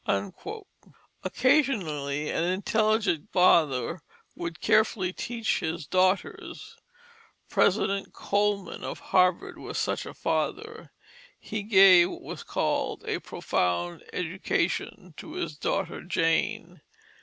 Occasionally an intelligent father would carefully teach his daughters. President Colman of Harvard was such a father. He gave what was called a profound education to his daughter Jane.